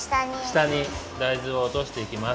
したに大豆をおとしていきます。